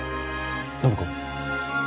暢子？